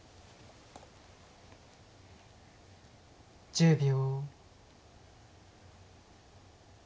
１０秒。